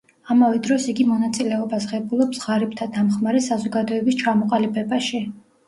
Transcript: ამავე დროს იგი მონაწილეობას ღებულობს ღარიბთა დამხმარე საზოგადოების ჩამოყალიბებაში.